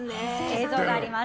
映像があります。